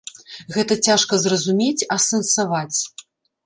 Гэта цяжка зразумець, асэнсаваць.